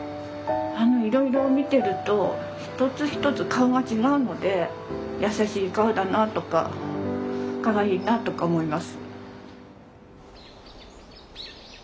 いろいろ見てると一つ一つ顔が違うので優しい顔だなとかかわいいなとか思います。